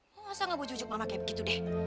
masa ngebujuk mama kayak begitu deh